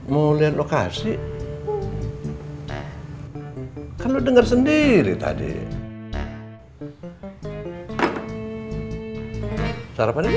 mbak in lindo bisa saluran prob spending ga sekalig ini dia nabi gardinya